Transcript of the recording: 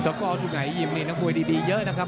ซักกอลชุ่งไห่ยิมนี่นักมวยดีเยอะนะครับ